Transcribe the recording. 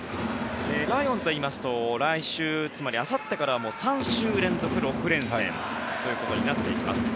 ライオンズでいいますと来週つまりあさってから３週連続６連戦となっています。